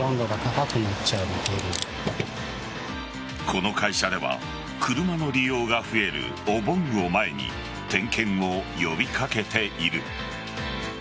この会社では車の利用が増えるお盆を前に点検を呼び掛けている。